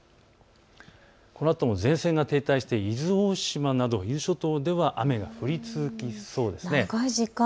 このあとも前線が停滞して伊豆大島など伊豆諸島では雨が降り続きそうです。